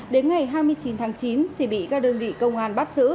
đến ngày hai mươi chín tháng chín thì bị các đơn vị công an bắt giữ